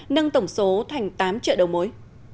nâng tổng số thành tám chợ đầu mối